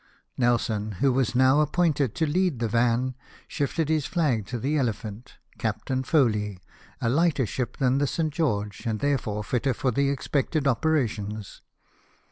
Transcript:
Nelson, who was now appointed to lead the van, shifted his flag to the Elephant, Captain Foley, a lighter ship than the ;S^^. George, and, therefore, fitter for the expected operations.